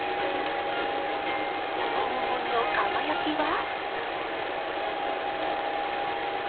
この黄金の輝きは？